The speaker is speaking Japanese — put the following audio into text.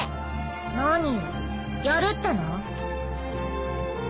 何よやるっての？